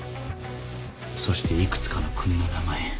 そして幾つかの国の名前。